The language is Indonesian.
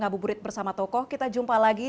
abu burit bersama tokoh kita jumpa lagi